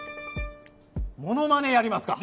ものまねやりますか。